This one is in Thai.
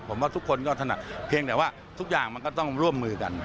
ผมว่าทุกคนก็ถนัดเพียงแต่ว่าทุกอย่างมันก็ต้องร่วมมือกัน